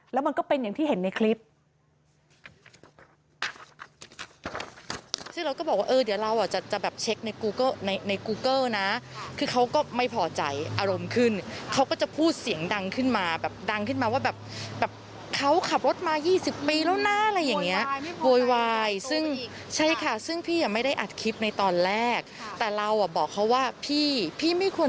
แล้วมันก็เป็นอย่างที่เห็นในคลิป